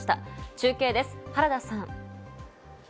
中継です、原田さん。